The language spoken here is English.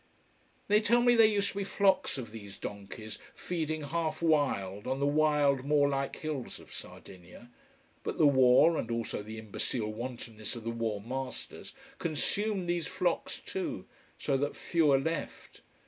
They tell me there used to be flocks of these donkeys, feeding half wild on the wild, moor like hills of Sardinia. But the war and also the imbecile wantonness of the war masters consumed these flocks too, so that few are left.